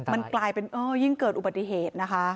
มันกลายเป็นยิ่งเกิดอุบัติเหตุนะคะ